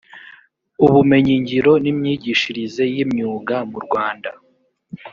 ubumenyingiro n’imyigishirize y’imyuga mu rwanda